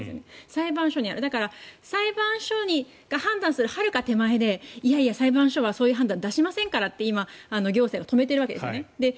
裁判所にあるだから裁判所が判断するはるか手前で裁判所はそういう判断を出しませんからって今、行政は止めているわけです。